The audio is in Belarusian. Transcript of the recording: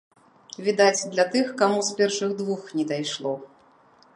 Відаць, для тых, каму з першых двух не дайшло.